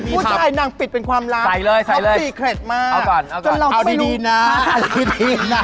ผู้ชายนางติดเป็นความรักพร้อมสีเคร็ดมากจนเราก็ไม่รู้เอาก่อนเอาดีนะ